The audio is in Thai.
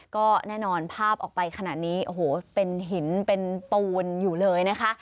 ก็แน่นอนภาพออกไปขนาดนี้โอ้โหเป็นหินเป็นปูนอยู่เลยนะคะ